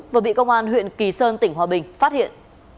vừa bị công an huyện kỳ sơn tỉnh hòa bình phát hiện